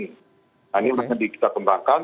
nah ini masih kita kembangkan